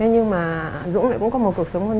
nhưng mà dũng cũng có một cuộc sống